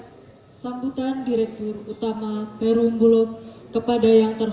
wassalamualaikum warahmatullahi wabarakatuh